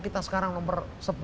kita sekarang nomor sebelas